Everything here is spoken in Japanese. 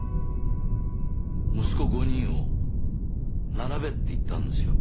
息子５人を「並べ」って言ったんですよ